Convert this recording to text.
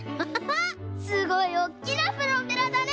すごいおっきなプロペラだね！